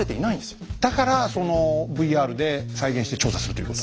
だからそのＶＲで再現して調査するということ？